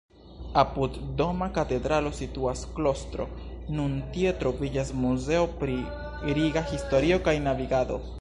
Apud Doma Katedralo situas klostro, nun tie troviĝas Muzeo pri Riga historio kaj navigado.